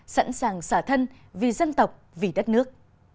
sẵn sàng xả thân vì dân tộc vì đất nước